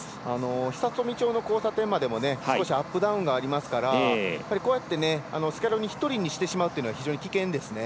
久富町の交差点までもアップダウンがありますからこうやってスキャローニ一人にしてしまうっていうのは危険ですね。